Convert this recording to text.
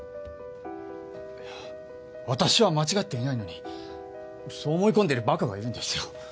いや私は間違っていないのにそう思い込んでいるバカがいるんですよ。